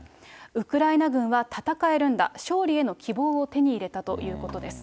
ウクライナ軍は戦えるんだ、勝利への希望を手に入れたということです。